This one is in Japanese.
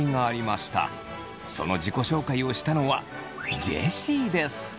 その自己紹介をしたのはジェシーです。